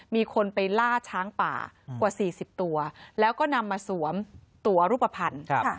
มีคนไปล่าช้างป่ากว่า๔๐ตัวแล้วก็นำมาสวมตัวรูปภัณฑ์